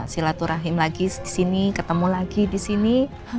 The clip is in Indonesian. silaturahim lagi di sini ketemu lagi di sini